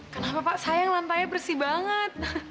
kenapa pak sayang lantainya bersih banget